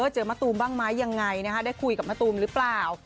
เจอมะตูมบ้างไหมยังไงได้คุยกับมะตูมหรือเปล่า